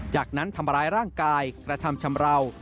จากนั้นทำร้ายร่างกายกระทำชำราว